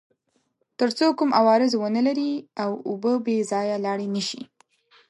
تر څو کوم عوارض ونلري او اوبه بې ځایه لاړې نه شي.